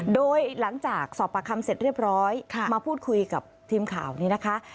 โดยหลังจากสอบปากคำเสร็จเรียบร้อยมาพูดคุยกับทีมข่าวนี้นะคะ